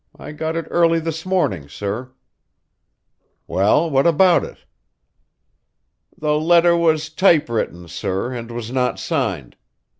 I got it early this morning, sir." "Well, what about it?" "The letter was typewritten, sir, and was not signed.